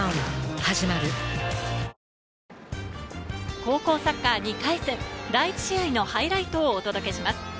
高校サッカー２回戦、第１試合のハイライトをお届けします。